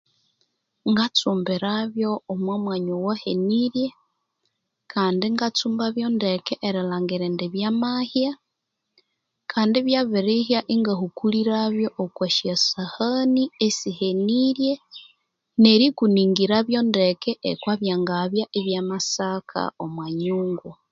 Ngatsumbirabyo omwa mwanya owahenirye kandi ingatsumbabyo ndeke erilhangiri indi byamahya kandi ibyabirihya ingahukulirabyo okwa syasahani esihenirye nerikuningirabyo ndeke ekwabyangabya ebyamasaka omwa nyumba